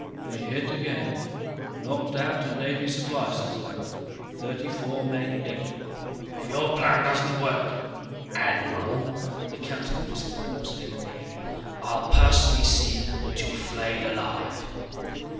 "They hit again, knocked out a Navy supply satellite, thirty four men dead." "If your plan doesn't work, admiral," the captain whispered hoarsely in my ear, "I'll personally see that you're flayed alive!"